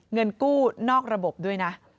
เงินกู้นอกระบบด้วยนะ